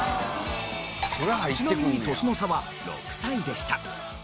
ちなみに年の差は６歳でした。